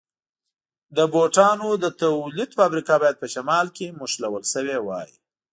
د بوټانو د تولید فابریکه باید په شمال کې نښلول شوې وای.